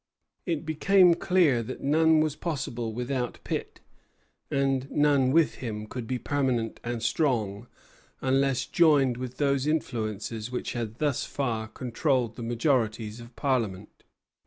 It became clear that none was possible without Pitt; and none with him could be permanent and strong unless joined with those influences which had thus far controlled the majorities of Parliament.